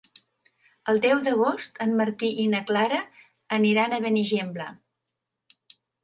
El deu d'agost en Martí i na Clara aniran a Benigembla.